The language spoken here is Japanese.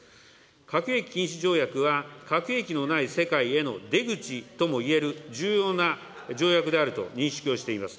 核兵器禁止条約は、核兵器のない世界への出口ともいえる重要な条約であると認識をしております。